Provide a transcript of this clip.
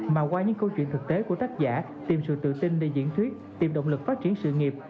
mà qua những câu chuyện thực tế của tác giả tìm sự tự tin để diễn thuyết tìm động lực phát triển sự nghiệp